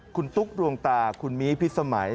คุณตุ๊กดวงตาคุณมีพิษสมัย